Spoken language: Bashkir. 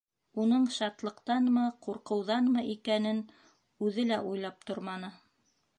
Уның шатлыҡтанмы, ҡурҡыуҙанмы икәнен үҙе лә уйлап торманы.